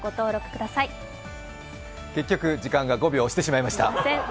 結局、時間が５秒押してしまいました。